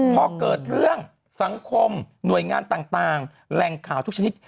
พอเกิดเรื่องสังคมหน่วยงานต่างแหล่งข่าวทุกชนิด